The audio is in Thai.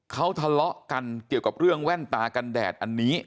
เขาทะเลาะกันเกี่ยวกับเรื่องแว่นตากันแดดอันนี้